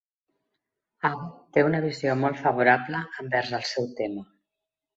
Abbott té una visió molt favorable envers el seu tema.